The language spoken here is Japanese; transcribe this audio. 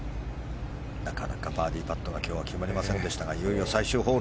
なかなかバーディーパットが今日は決まりませんでしたがいよいよ最終ホール。